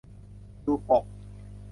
ดูปก